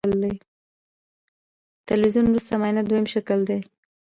د تلوین وروسته معاینه دویم شکل دی.